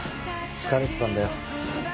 疲れてたんだよ